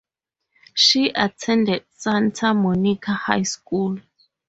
She attended Santa Monica High School.